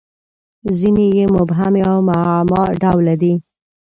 • ځینې یې مبهمې او معما ډوله دي.